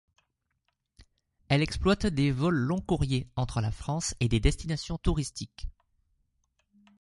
Elle exploite des vols long-courriers entre la France et des destinations touristiques.